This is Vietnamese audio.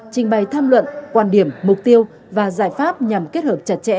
trình bày tham luận quan điểm mục tiêu và giải pháp nhằm kết hợp chặt chẽ